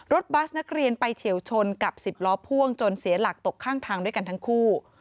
บัสนักเรียนไปเฉียวชนกับ๑๐ล้อพ่วงจนเสียหลักตกข้างทางด้วยกันทั้งคู่